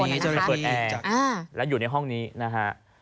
ตอนนี้จะได้ฟื้นแอร์และอยู่ในห้องนี้นะฮะ